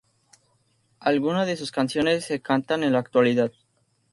Algunas de sus canciones se cantan en la actualidad.